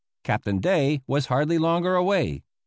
Captain Day was hardly longer away.